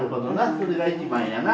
それが一番やな。